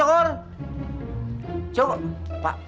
jokor bersahabat pak